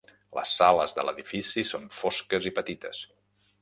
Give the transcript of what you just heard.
Les sales de l'edifici són fosques i petites.